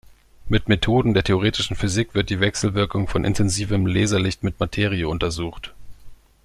Mit Methoden der theoretischen Physik wird die Wechselwirkung von intensivem Laserlicht mit Materie untersucht.